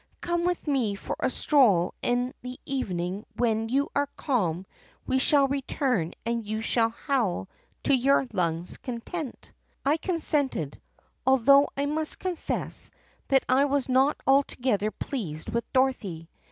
Come with me for a stroll and in the evening when you are calm we shall return and you shall howl to your lungs' content.' "I consented, although I must confess that I was not alto gether pleased with Dorothy.